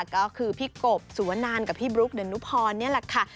ก็คือพี่กบสุวนันกับพี่บลุ๊กเดนุพรนี่แหละค่ะ